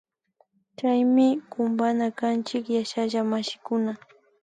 Chaymi kumpana kanchik yashalla mashikuna